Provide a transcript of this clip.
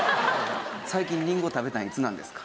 最近りんごを食べたんいつなんですか？